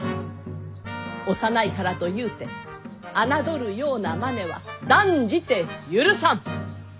幼いからとゆうて侮るようなマネは断じて許さん。